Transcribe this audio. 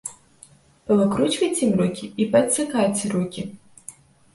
Павыкручвайце ім рукі і паадсякайце рукі.